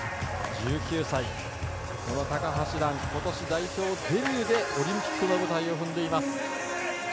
１９歳、高橋藍今年代表デビューでオリンピックの舞台を踏んでいます。